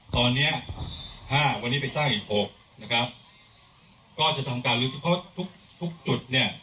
ตอนเนี้ยห้าวันนี้ไปสร้างอีกหกนะครับก็จะทำการลื้อทุกเพราะทุกทุกจุดเนี่ย